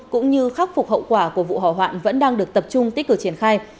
cũng như khắc phục hậu quả của vụ hỏa hoạn vẫn đang được tập trung tích cực triển khai